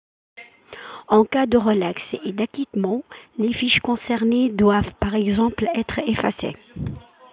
En cas de relaxe et d’acquittement, les fiches concernées doivent par exemple être effacées.